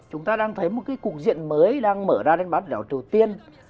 chúng ta đang thấy một cái cục diện mới đang mở ra đến bán đảo triều tiên